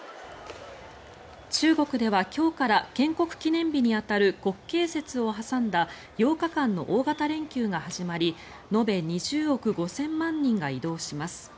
中国では今日から建国記念日に当たる国慶節を挟んだ８日間の大型連休が始まり延べ２０億５０００万人が移動します。